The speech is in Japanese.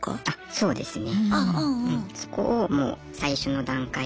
そうですね。